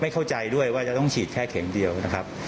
เข้าใจด้วยว่าจะต้องฉีดแค่เข็มเดียวนะครับ